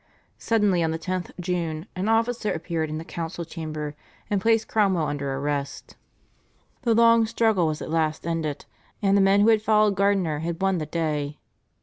Suddenly on the 10th June an officer appeared in the council chamber and placed Cromwell under arrest. The long struggle was at last ended, and the men who had followed Gardiner had won the day.